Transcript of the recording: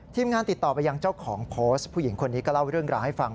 งานติดต่อไปยังเจ้าของโพสต์ผู้หญิงคนนี้ก็เล่าเรื่องราวให้ฟัง